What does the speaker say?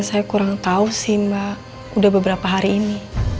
saya kurang tahu sih mbak udah beberapa hari ini